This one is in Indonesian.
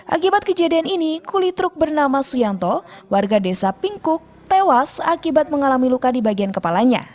akibat kejadian ini kulit truk bernama suyanto warga desa pingkuk tewas akibat mengalami luka di bagian kepalanya